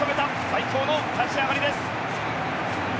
最高の立ち上がりです。